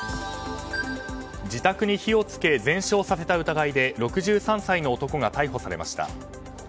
自宅に火を付け全焼させた疑いで６３歳の男が逮捕されました。